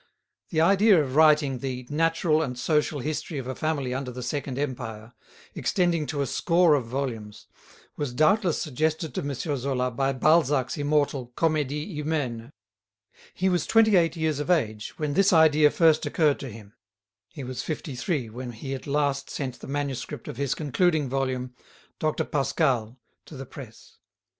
The idea of writing the "natural and social history of a family under the Second Empire," extending to a score of volumes, was doubtless suggested to M. Zola by Balzac's immortal "Comedie Humaine." He was twenty eight years of age when this idea first occurred to him; he was fifty three when he at last sent the manuscript of his concluding volume, "Dr. Pascal," to the press.